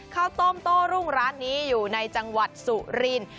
ข้าวต้มโต้รุ่งร้านนี้อยู่ในจังหวัดสุรินทร์